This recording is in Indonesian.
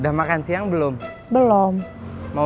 ini kita udah oke